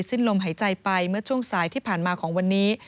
สิ้นลมหายใจไปเมื่อช่วงสายที่ผ่านมาของวันนี้